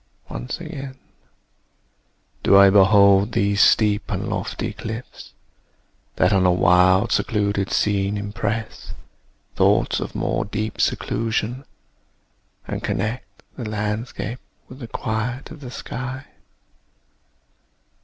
Once again Do I behold these steep and lofty cliffs, That on a wild secluded scene impress Thoughts of more deep seclusion; and connect The landscape with the quiet of the sky.